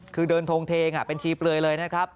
คือเดินทงเทงเป็นชีเปลือยเลยนะครับ